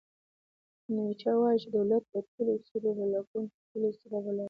نیچه وایي چې دولت د ټولو سړو بلاګانو تر ټولو سړه بلا ده.